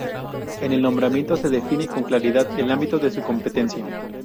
En el nombramiento se define con claridad el ámbito de su competencia.